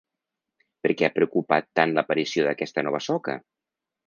Per què ha preocupat tant l’aparició d’aquesta nova soca?